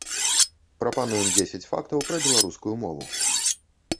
Прапануем дзесяць фактаў пра беларускую мову.